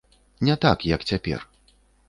Не так, як цяпер.